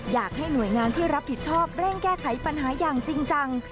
อยากให้หน่วยงานที่รับผิดชอบเร่งแก้ไขปัญหาอย่างจริงจัง